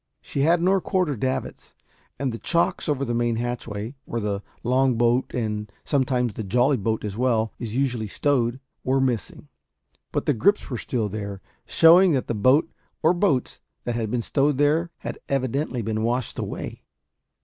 She had no quarter davits, and the chocks over the main hatchway where the long boat, and sometimes the jolly boat as well, is usually stowed were missing; but the gripes were still there, showing that the boat or boats that had been stowed there had evidently been washed away.